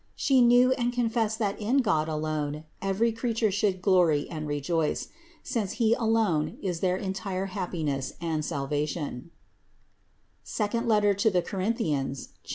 She knew and confessed that in God alone every creature should glory and rejoice, since He alone is their entire happiness and salvation (II Cor.